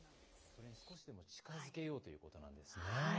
それに少しでも近づけようということなんですね。